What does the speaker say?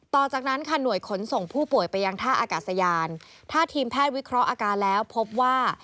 ต่อจากนั้นค่ะหน่วยขนส่งผู้ป่วยไปยังท่าอากาศยานถ้าทีมแพทย์วิเคราะห์อาการแล้วพบว่า